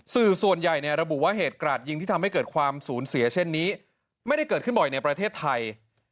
สื่อส่วนใหญ่ระบุว่าเหตุกราดยิงที่ทำให้เกิดความสูญเสียเช่นนี้ไม่ได้เกิดขึ้นบ่อยในประเทศไทย